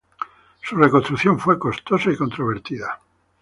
Su reconstrucción fue costosa y controvertida.